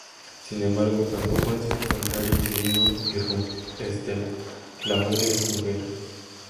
Sin embargo, poco antes de encontrar inquilino irrumpe Estela, la madre de su mujer.